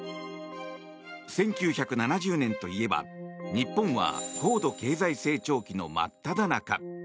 １９７０年といえば日本は高度経済成長期の真っただ中。